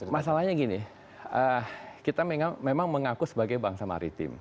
masalahnya gini kita memang mengaku sebagai bangsa maritim